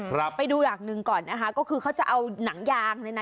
ครับไปดูอย่างหนึ่งก่อนนะคะก็คือเขาจะเอาหนังยางเนี่ยนะ